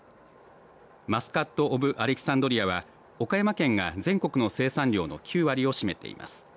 マスカット・オブ・アレキサンドリアは岡山県が全国の生産量の９割を占めています。